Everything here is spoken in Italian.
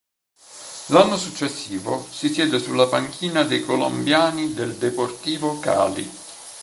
L'anno successivo siede sulla panchina dei colombiani del Deportivo Cali.